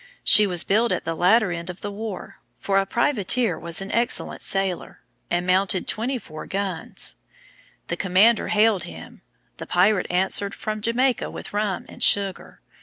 She was built at the latter end of the war, for a privateer, was an excellent sailer, and mounted 24 guns. The commander hailed him: the pirate answered, from Jamaica with rum and sugar.